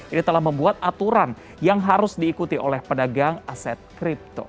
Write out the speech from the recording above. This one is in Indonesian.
ini telah membuat aturan yang harus diikuti oleh pedagang aset kripto